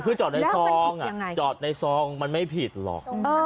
คือจอดในซองจอดในซองมันไม่ผิดหรอก